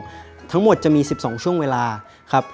ก็จะมี๑๒ช่วงเวลาครับ